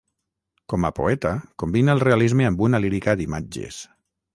Com a poeta combina el realisme amb una lírica d'imatges.